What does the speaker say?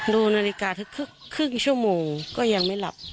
ดูนาฬิกาถึงครึ่งชั่วโมงก็ยังไม่หลับ